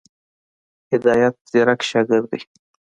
هدایت ځيرک شاګرد دی.